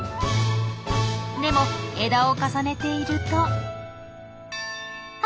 でも枝を重ねているとあ！